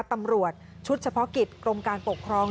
ตำรวจชุดเฉพาะกิจกรมการปกครอง